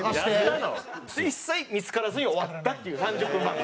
一切見付からずに終わったっていう３０分番組。